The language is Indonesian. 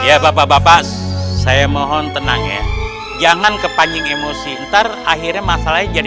ya bapak bapak saya mohon tenang ya jangan kepancing emosi ntar akhirnya masalahnya jadi